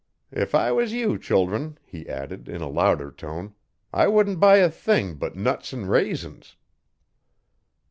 If I was you, children,' he added, in a louder tone, 'I wouldn't buy a thing but nuts 'n' raisins.'